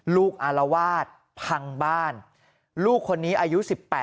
อารวาสพังบ้านลูกคนนี้อายุ๑๘